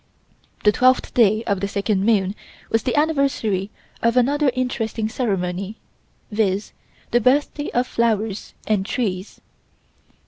The twelfth day of the second moon was the anniversary of another interesting ceremony, viz.: the birthday of the flowers and trees.